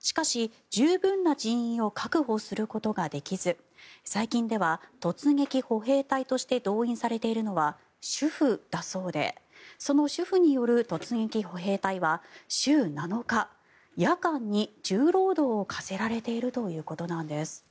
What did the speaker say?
しかし、十分な人員を確保することができず最近では突撃歩兵隊として動員されているのは主婦だそうでその主婦による突撃歩兵隊は週７日、夜間に重労働を課せられているということなんです。